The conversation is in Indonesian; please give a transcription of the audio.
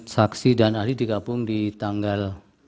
saksi dan ahli digabung di tanggal